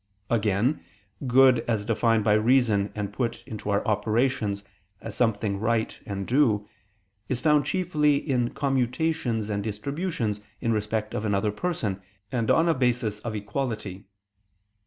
Again, good as defined by reason and put into our operations as something right and due, is found chiefly in commutations and distributions in respect of another person, and on a basis of equality.